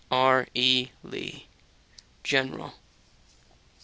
R. E. Lee, General.